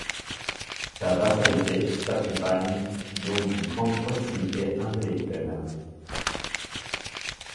Sa vassalité s'accompagne donc d'une grande proximité intellectuelle.